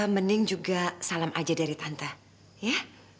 mending juga salam aja dari tante ya